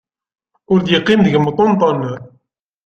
Ur d-iqqim deg-m uṭenṭun.